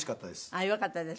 あっよかったです